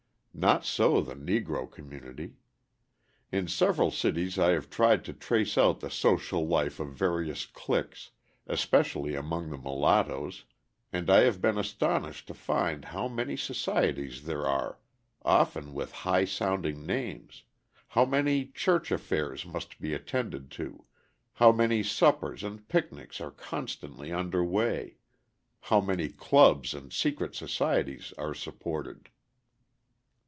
Not so the Negro community. In several cities I have tried to trace out the social life of various cliques, especially among the mulattoes, and I have been astonished to find how many societies there are, often with high sounding names, how many church affairs must be attended to, how many suppers and picnics are constantly under way, how many clubs and secret societies are supported.